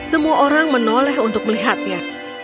semua orang menoleh untuk melihatnya